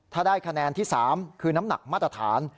ถ้าได้คะแนนที่๓คือน้ำหนักมาตรฐาน